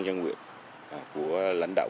nhân quyền của lãnh đạo